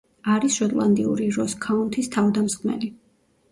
არის შოტლანდიური როს ქაუნთის თავდამსხმელი.